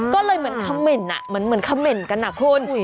ก็เลยเหมือนคำเม่นอ่ะเหมือนคำเม่นกันอ่ะคุณ